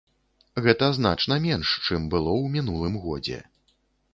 Гэта значна менш, чым было ў мінулым годзе.